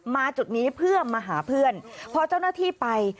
จุดนี้เพื่อมาหาเพื่อนพอเจ้าหน้าที่ไป